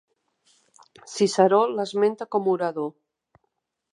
Ciceró l'esmenta com orador.